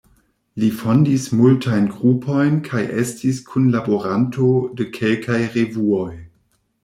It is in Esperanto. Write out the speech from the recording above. Li fondis multajn grupojn kaj estis kunlaboranto de kelkaj revuoj.